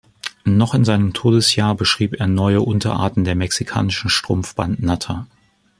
Noch in seinem Todesjahr beschrieb er neue Unterarten der Mexikanischen Strumpfbandnatter.